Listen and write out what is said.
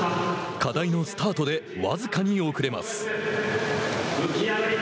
課題のスタートで僅かに遅れます。